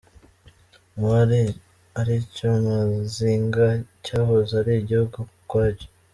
Mubari aricyo Mazinga cyahoze ari igihugu ukwacyo.